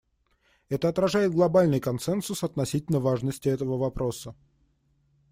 Это отражает глобальный консенсус относительно важности этого вопроса.